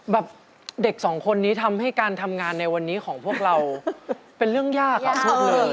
แบบเด็กสองคนนี้ทำให้การทำงานในวันนี้ของพวกเราเป็นเรื่องยากอ่ะพูดเลย